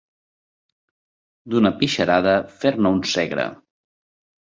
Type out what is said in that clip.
D'una pixarada fer-ne un Segre.